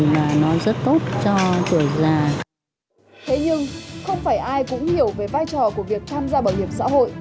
bằng đã mua bảo hiểm xã hội tự nguyện với mong muốn khi về già